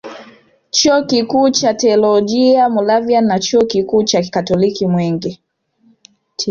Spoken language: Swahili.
Chuo kikuu cha Teolojia Moravian na Chuo kikuu cha kikatoliki Mwenge